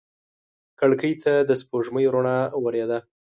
کړکۍ ته د سپوږمۍ رڼا ورېده.